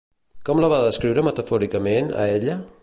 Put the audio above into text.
Com la va descriure metafòricament, a ella?